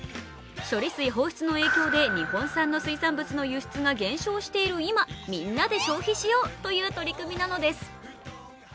処理水放出の影響で日本産の水産物の輸出が減少している今、みんなで消費しようという取り組みなのです。